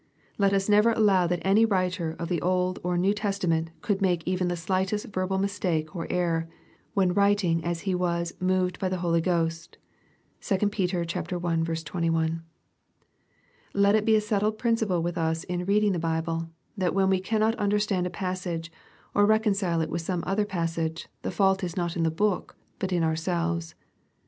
Let us never allow that any writer of the Old or New Testa ment could make even the slightest verbal mistake or error, when writing as he was "moved by the Holy Ghost.'' (2 Peter i. 21.) Let it be a settled principle with us in reading the Bible, that when we cannot understand a passage, or reconcile it with some other passage, the fault is not in the Book, but in ourselves.